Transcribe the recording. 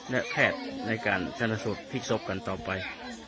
และแพทย์ในการการทดสอบพิกษกันต่อไป